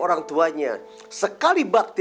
orang tuanya sekali bakti